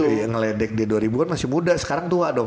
iya ngeledek di dua ribu an masih muda sekarang tua dong